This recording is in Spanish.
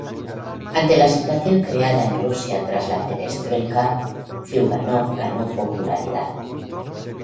Ante la situación creada en Rusia tras la "perestroika", Ziugánov ganó popularidad.